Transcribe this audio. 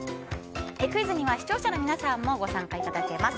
クイズには視聴者の皆さんもご参加いただけます。